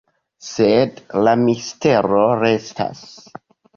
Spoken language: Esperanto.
Sed la mistero restas.